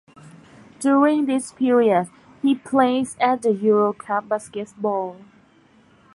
During this period, he plays at the EuroCup Basketball.